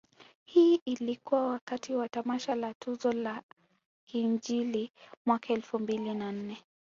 Hii ilikuwa wakati wa tamasha la tuzo za kiinjili mwaka elfu mbili na nne